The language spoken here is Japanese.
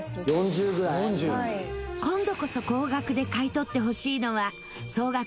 今度こそ高額で買い取ってほしいのは総額